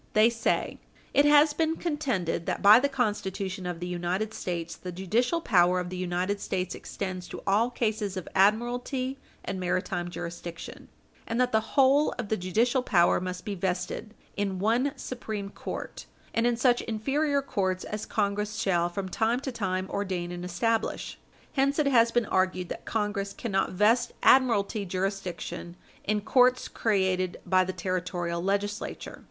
They say: "It has been contended that by the Constitution of the United States, the judicial power of the United States extends to all cases of admiralty and maritime jurisdiction, and that the whole of the judicial power must be vested 'in one Supreme Court, and in such inferior courts as Congress shall from time to time ordain and establish.' Hence it has been argued that Congress cannot vest admiralty jurisdiction in courts created by the Territorial Legislature."